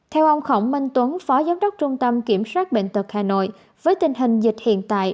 theo ông khổng minh tuấn phó giám đốc trung tâm kiểm soát bệnh tật hà nội với tình hình dịch hiện tại